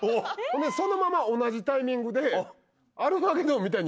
ほんでそのまま同じタイミングで。